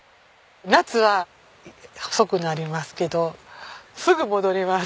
夏は細くなりますけどすぐ戻ります。